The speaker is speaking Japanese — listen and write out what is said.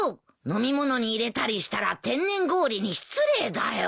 飲み物に入れたりしたら天然氷に失礼だよ。